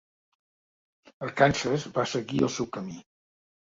"Arkansas" va seguir el seu camí.